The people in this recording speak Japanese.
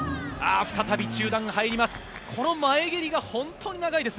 再び中段に入ります。